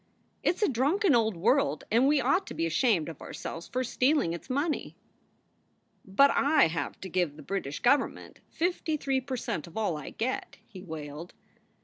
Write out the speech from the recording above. It s a drunken old world and we ought to be ashamed of ourselves for stealing its money." "But I have to give the British government fifty three per cent of all I get," he wailed.